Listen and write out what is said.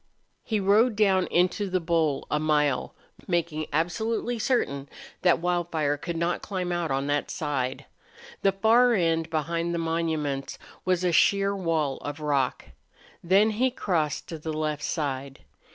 He rode down into the bowl a mile, making absolutely certain that Wildfire could not climb out on that side. The far end, beyond the monuments, was a sheer wall of rock. Then he crossed to the left side.